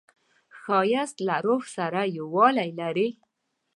ښایست له روح سره یووالی لري